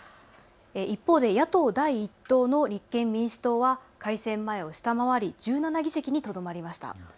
一方で野党第１党の立憲民主党は改選前を下回り１７議席にとどまりました。